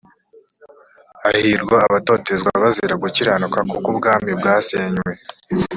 hahirwa abatotezwa bazira gukiranuka kuko ubwami bwasenywe